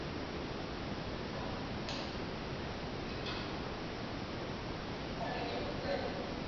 Kuwaondoa kundini madume yenye maambukizi ya ugonjwa wa kutupa mimba